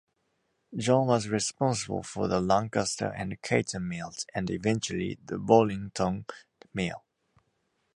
John was responsible for the Lancaster and Caton mills and eventually the Bollington mill.